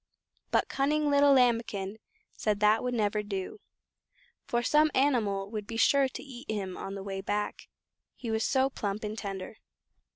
But cunning little Lambikin said that would never do, for some animal would be sure to eat him on the way back, he was so plump and tender.